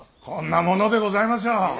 こんなものでございましょう。